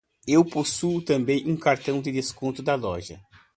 Eu possuo também um cartão de desconto da loja.